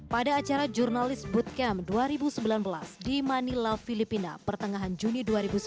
pada acara jurnalis bootcamp dua ribu sembilan belas di manila filipina pertengahan juni dua ribu sembilan belas